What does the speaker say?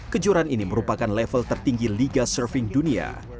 kejuaraan ini merupakan level tertinggi liga surfing dunia